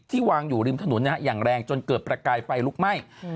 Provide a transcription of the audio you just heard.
วางอยู่ริมถนนอย่างแรงจนเกิดประกายไฟลุกไหม้